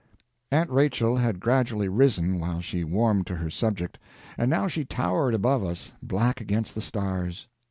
Aunt Rachel had gradually risen, while she warmed to her subject, and now she towered above us, black against the stars.